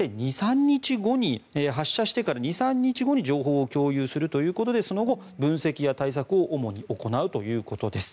発射してから大体２３日後に情報を共有するということでその後、分析や対策を主に行うということです。